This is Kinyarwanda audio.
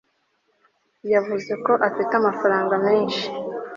yavuze ko afite amafaranga menshi